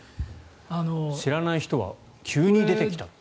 知らない人は急に出てきたと。